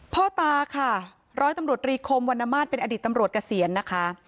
พ่อตาค่ะร้อยตำรวจรีคมวันนมาตรเป็นอดีตตำรวจเกษียณนะคะ